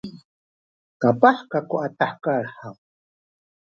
kapah kaku a tahekal haw?